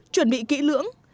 chuẩn bị kỹ lưỡng